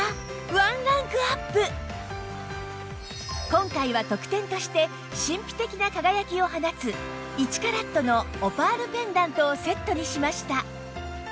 今回は特典として神秘的な輝きを放つ１カラットのオパールペンダントをセットにしました